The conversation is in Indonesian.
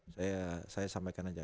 saya sampaikan aja